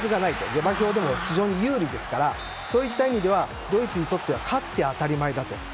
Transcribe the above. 下馬評でも非常に有利ですからそういった意味ではドイツにとっては勝って当たり前だと。